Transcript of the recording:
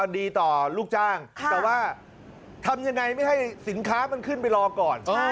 ดีต่อลูกจ้างแต่ว่าทำยังไงไม่ให้สินค้ามันขึ้นไปรอก่อน